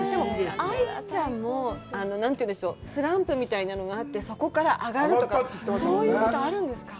愛ちゃんも、スランプみたいなのがあって、そこから上がるとか、そういうことあるんですか。